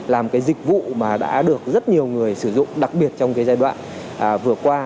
làm dịch vụ đã được rất nhiều người sử dụng đặc biệt trong giai đoạn vừa qua